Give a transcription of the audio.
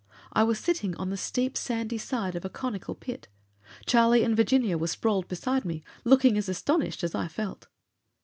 I was sitting on the steep sandy side of a conical pit. Charlie and Virginia were sprawled beside me, looking as astonished as I felt.